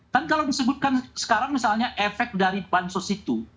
kan kalau disebutkan sekarang misalnya efek dari bansos itu